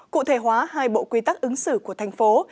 cụ thể hóa hai bộ quy tắc ứng xử của thành phố